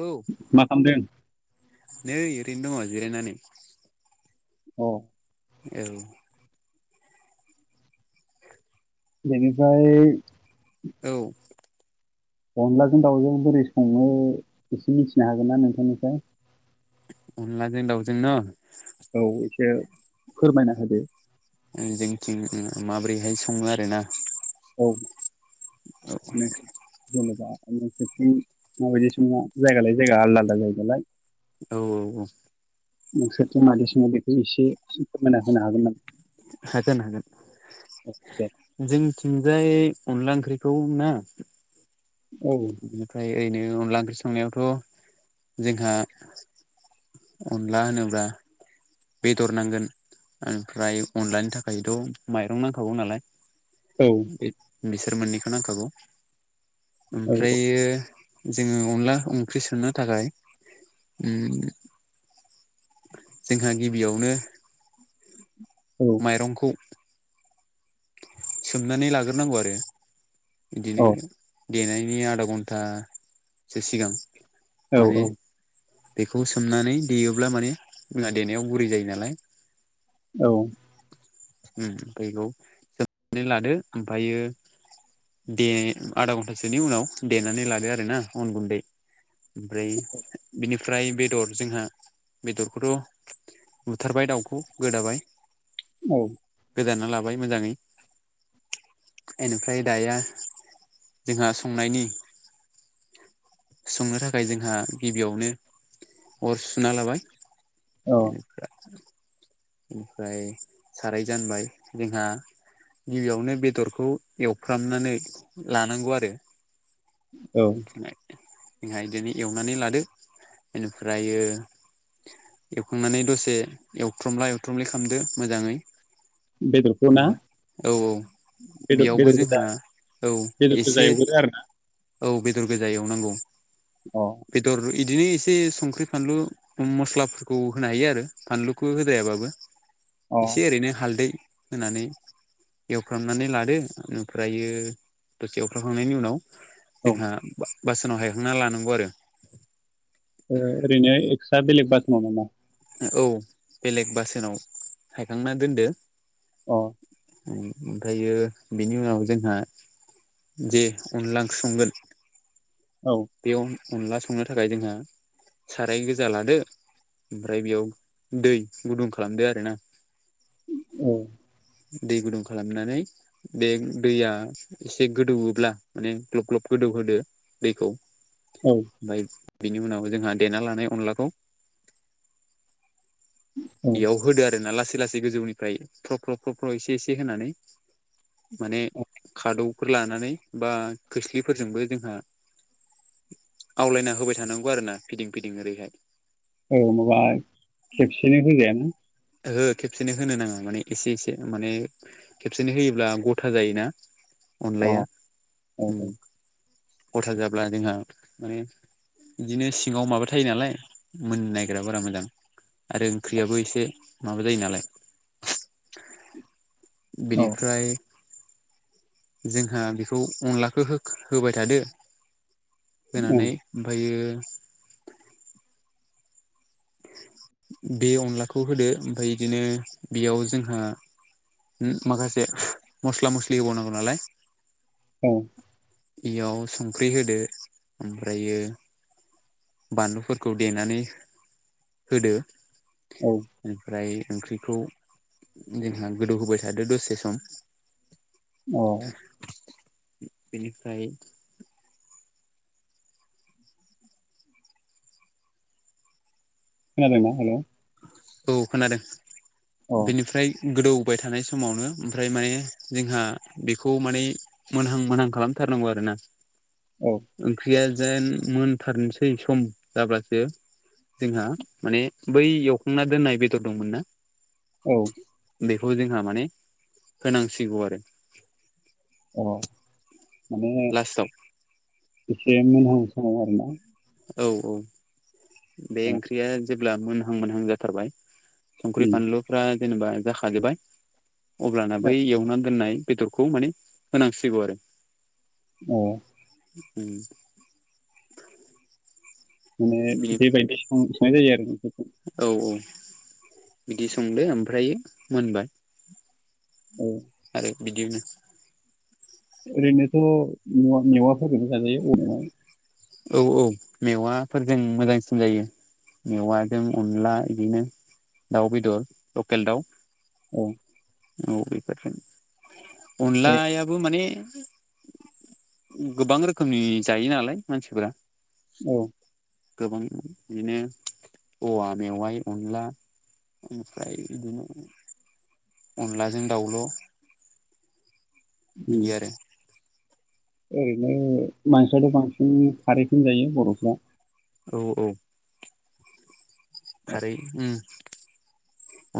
औ मा खालामदों? नै ओरैनो दङ' जिरायनानै। अ'। औ। बेनिफ्राय औ। अनलाजों दाउजों बोरै सङो एसे मिथिनो हागोन ना नोंथांनिफ्राय? अनलाजों दावजों न'। औ एसे फोरमायना होदो। ओ जोंथिं माबोरैहाय सङो आरो ना। औ। नोंसोर जेनेबा नोंसोरथिं माबायदि सङा जायगालाय जायगा आलदा आलदा जायो नालाय। औ औ औ। नोंसोरथ' मादि सङो बेखौ एसे फोरमायना होनो हागोन ना? हागोन हागोन। औ दे जोंथिंजाय अनला ओंख्रिखौ ना। औ बेनिफ्राय ओरैनो अनला ओंख्रि संनायावथ' जोंहा अनला होनोब्रा बेदर नांगोन ओमफ्राय अनलानि थाखायथ' माइरं नांखागौ नालाय। औ बे बिसोर मोननैखौ नांखागौ ओमफ्रायो जोङो अनला ओंख्रि संनो थाखाय उम जोंहा गिबियावनो औ माइरंखौ सोमनानै लाग्रोनांगौ आरो औ बिदिनो देनायनि आधा घन्टा सो सिगां। औ माने औ। बेखौ सोमनानै देयोब्ला माने जोंना देनायाव गुरै जायो नालाय। औ। उम फैगौ सोमनानै लादो ओमफायो दे आधा घन्टासोनि उनाव देनानै लादो आरो ना अन गुन्दै। ओमफ्राय बेनिफ्राय बेदर जोंहा बेदरखौथ' बुथारबाय दाउखौ गोदाबाय। औ। गोदाना लाबाय मोजाङै। बेनिफ्राय दाया जोंहा संनायनि संनो थाखाय जोंहा गिबियावनो अर सुना लाबाय औ बेनिफ्राय ओमफ्राय साराय जानबाय जोंहा गिबियावनो बेदरखौ एवफ्रामनानै लानांगौ आरो औ जोंहा बिदिनो एवनानै लादो बेनिफ्रायो एवखांनानै दसे हुथ्रमलाय हरथ्रमलाय खालामदो मोजाङै बेदरखौ ना हबा औ औ बेदर बेयावबो बेदर गोजा जोंहा औ बेदर गोजा एसे एवगोरो आरो ना औ बेदर गोजा एवनांगौ अ बेदर बिदिनो एसे संख्रि फानलु मस्लाफोरखौ होनो हायो आरो फानलुखौ होद्रायाबाबो औ एसे ओरैनो हालदै होनानै एवफ्रामनानै लादो ओमफ्रायो दसे एवख्रखांनायनि उनाव ओ जोंहा बासोनाव हायखांना लानांगौ आरो ओरैनो एक्सट्रा बेलेग बास माव नामा औ बेलेग बासोनाव हायखांना दोनदो औ ओमफ्रायो बेनि उनाव जोंहा जे अनला संगोन औ बे अनला संनो थाखाय जोंहा साराय गोजा लादो ओमफ्राय बेयाव दै गुदुं खालामदो आर ना औ दै गुदुं खालामनानै बे दैया एसे गोदौब्ला माने ग्लब ग्लब गोदौ गोदौ होदो दैखौ। औ ओमफ्राय बिनि उनाव जोंहा देना लानाय अनलाखौ औ बेयाव होदो आर ना लासै लासै गोजौनिफ्राय फ्रब फ्रब फ्रब एसे एसे होनानै माने औ खादौफोर लानानै बा खोस्लिफोरजोंबो जोंहा आवलायना होबाय थानांगौ आरो ना फिदिं फिदिं ओरैहाय। औ माबा खेबसेनो होजायाना। हो खेबसेनो होनो नाङा माने एसे एसे माने खेबसेनो होयोब्ला गथा जायोना। अ अनलाया औ गथा जाब्ला जोंहा माने बिदिनो सिङाव माबा थायो नालाय मोन नायग्रा बारा मोजां। आरो ओंख्रियाबो एसे माबा जायो नालाय। औ बेनिफ्राय जोंहा बेखौ अनलाखौ होबाय थादो होनानै ओमफ्रायो बे अनलाखौ होदो ओमफ्राय बिदिनो बेयाव जोंहा माखासे मस्ला मस्लि होबावनांगौ नालाय औ इयाव संख्रि होदो ओमफ्रायो बानलुफोरखौ देनानै होदो औ ओमफ्राय। ओंख्रिखौ जोंहा गोदौ होबाय थादो दसे सम। औ बेनिफ्राय खोनादों ना हेल'। औ खोनादों अ बेनिफ्राय गोदौ होबाय थानाय समावनो ओमफ्राय माने जोंहा बेखौ माने मोनहां मोनहां खालामथारनांगौ आरो औ ओंख्रिया जाइन मोनथारनोसै सम जाब्लासो जोंहा माने बै एवखांना दोननाय बेदर दंमोन ना? औ। बेखौ जोंहा माने होनांसिगौ आरो। औ माने लास्टाव एसे मोनहां समाव आरोना? औ औ बे अ ओंख्रिया जेब्ला मोनहां मोनहां जाथारबाय संख्रि उम फानलुफ्रा जेनोबा जाखाजोबबाय अब्लाना अ बै एवनानै दोननाय बेदरखौ माने होनांसिगौ आरो। औ। उम। माने बेबायदि सं संनाय जायो आरो। औ औ बिदि संदो ओमफ्राय मोनबाय। औ। आरो बिदिनो ओरैनोथ' मेवा मेवाफोरजों जाजायो [unintelligible] औ औ मेवाफोरजों मोजांसिन जायो। मेवाजों अनला बिदिनो दाउ बेदर लकेल दाउ। औ। औ बेफोरनो, अनलायाबो माने गोबां रोखोमनि जायो नालाय मानसिफोरा। औ। गोबां बिदिनो औवा मेवा अनला ओमफ्राय बिदिनो अनलाजों दाउल' उम बिदि आरो। ओरैनो मानसियाथ' बांसिन खारैखौनो जायो बर'फ्रा? औ औ। खारै उम।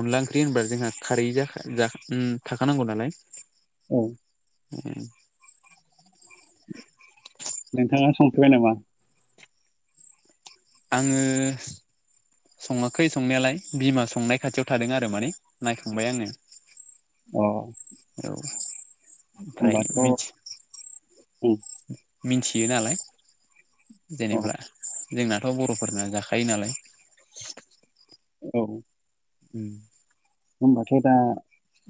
अनला ओंख्रि होनबा जोंहा खारै जाखा जाखा उम थाखानांगौ नालाय। औ। उम। नोंथाङा संफेरबाय नामा? आङो सङाखै संनायालाय बिमा संनाय खाथियाव थादों आरो माने नायखांबाय आङो। अ। औ ओमफ्राय होमबाथ' ओं मिथि मिथियो नालाय अ जेनोबा जोंनाथ' बर'फोरना जाखायो नालाय। औ। उम। होमबाथ दा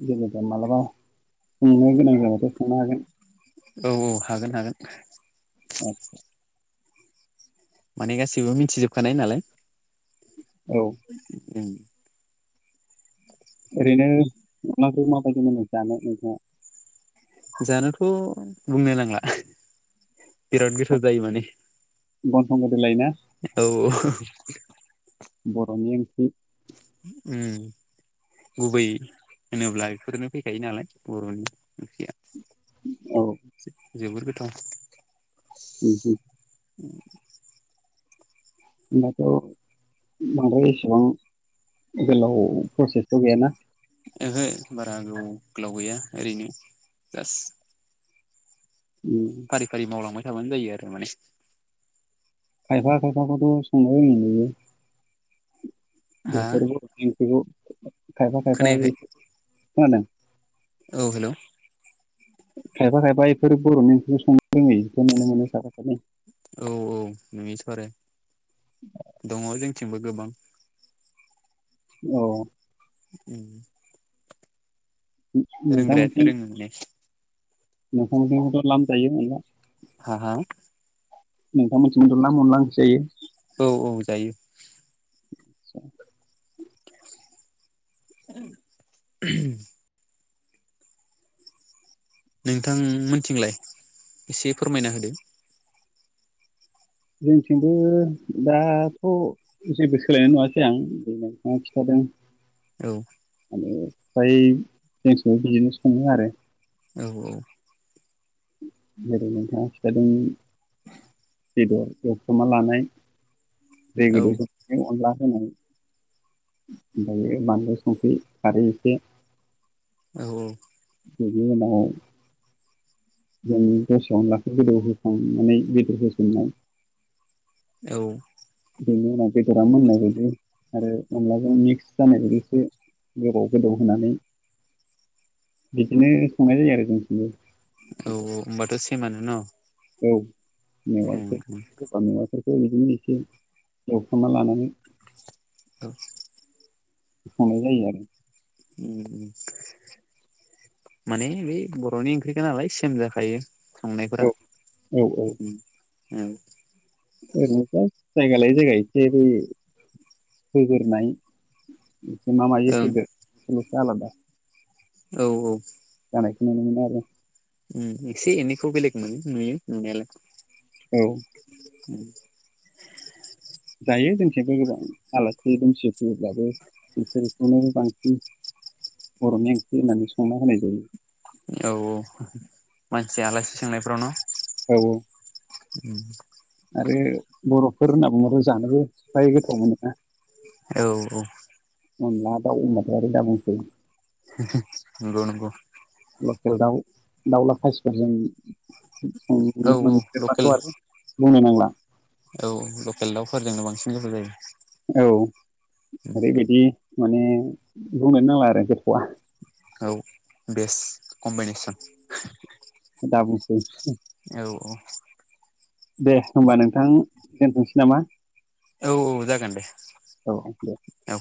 जेबा मालाबा संनो गोनां जाबथाय' संनो हागोन। औ औ हागोन हागोन। आतसा। माने गासिबो मिथिजोबखानाय नालाय। औ। उम। ओरैनो माब्रै माबायदि मोनो जानो नोंथाङा? जानोथ' बुंनो नांला बिराद गोथाव जायो माने। गन्थं गोदोलायनाय? औ औ। बर'नि ओंख्रि। उम। गुबै होनोब्ला बेफोरनो फैखायो नालाय बर'नि ओंख्रिया औ जोबोर गोथाव उ उ [inaudible] होमबाथ' बांद्राय एसेबां गोलाव प्रजेकथ' गैयाना? ओहो बारा गोबाव गोलाव गैया ओरैनो जास्ट उम, फारि फारि मावलांबाय थाबानो जायो आरो माने खायफा खायफाखौथ' संला बायबानो मोनजोबो। हा बेफोरबो बेफोरखौ खायफा खायफा खोनायाखै बेफोर खोनादों औ हेल' खायफा खायफा बेफोर बर'नि ओंख्रि संनो रोङै बेखौ नुनो मोनो खायफाखौ औ औ नुयोथ' आरो दङ जोंथिंबो गोबां औ [unintelligible] रोंग्रायासो रोंङो माने नोंसोरनिथिंथ' लामजायो अनला? हा हा नोंथां मोननिथिंबो लाम अनला ओंख्रि औ औ जायो। [inaudible] [unintelligible] नोंथां मोनथिंलाय एसे फोरमायना होदो। जोंथिंबो दाथ' जेबो सोलायनाय नुवासै आं नोंथाङा खिथादों। उम औ ओ फ्राय जोंथिंबो बिदिनो सङो आरो औ औ जेरै नोंथाङा खिथादोंमोन। बेदर एवफ्रामना लानाय दै औ गोदौनायाव अनला होनाय ओमफायो बानलु संख्रि खारै एसे औ औ बिनि उनाव जों दसेयावनो लाखै गोदौ होखांनानै बेदर होसननाय औ बेनि उनाव बेदरा मोननाय बायदि आरो अनलाजों मिक्स जानाय बायदि एसे गोबाव गोदौ होनानै बिदिनो संनाय जायो आरो जोंथिंबो। औ औ होमबाथ' सेमानो न'? औ मेवाइ उम [unintelligible] खो उम इदिनो एसे एवखांना लानानै औ खांनाय जायो आरो। उम उम माने बै बर'नि ओंख्रिखा नालाय सेम जाखायो। संनायफोरा आरो औ उम औ ओरैनोथ' जायगा लायै जायगा एसे होयै होगोरनाय एसे मा मायै ओं होदो सेल'सो आलादा औ औ जानायखौ नुनो मोनो आरो उम एसे एनैखौ बेलग मोनो नुयो नुनायाला औ उम [inaudible] जायो जोंथिंबो गोबां आलासि दुमसि फैयोब्लाबो बेफोरखौनो बांसिन बर'नि ओंख्रि होननानै संना होनाय जायो। औ औ मानसि आलासि सोंनायफोराव न' औ औ उम आरो बर'फोर होनना बुङोबा जानोबो फ्राय गोथाव मोनोना औ औ अनला दाउ [unintelligible] दा बुंसै [unintelligible] नंगौ नंगौ लकेल दाउ दाउला खासिफोरजों औ संनो औ लकेल मोनदेरबाथ' आरो बुंनो नांला औ लकेल दाउफोरजोंनो बांसिन गोेथाव जायो। औ ओरैबायदि माने बुंनोनो नांला आरो गोथावा औ बेस्ट कम्बिनेसन दाबुंसै औ औ दे होमबा नोंथां दोनथ'नोसै नामा औ औ जागोन दे औे दे औ